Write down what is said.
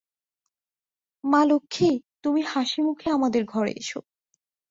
মা লক্ষ্মী, তুমি হাসিমুখে আমাদের ঘরে এস।